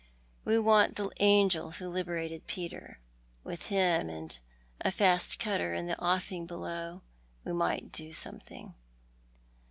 We want the angel who liberated Peter. With hiiu, and a fiist cutter in the offing below, we might do somethiug."